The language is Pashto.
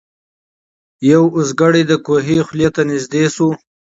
یو اوزګړی د کوهي خولې ته نیژدې سو